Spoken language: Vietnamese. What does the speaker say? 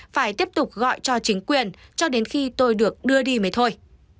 phải tiếp tục gọi cho chính quyền cho đến khi tôi được đưa đi mới thôi